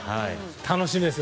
楽しみです。